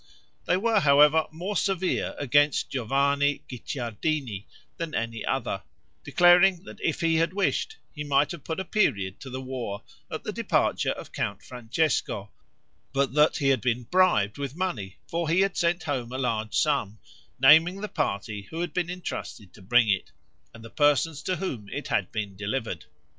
They were, however, more severe against Giovanni Guicciardini than any other, declaring that if he had wished, he might have put a period to the war at the departure of Count Francesco, but that he had been bribed with money, for he had sent home a large sum, naming the party who had been intrusted to bring it, and the persons to whom it had been delivered.